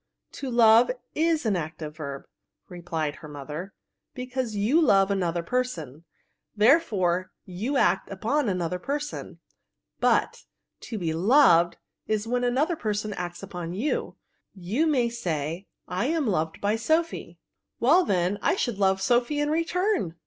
To love is an active verb," replied her mother, ^' because you love another person ; VfOtBs. 59 therefore, you act upon another person ; but to be loped is when another person acts upon you ; you may say, * I am loved by Sophy.' Well then, I should love Sophy in return."